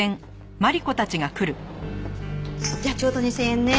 じゃあちょうど２０００円ね。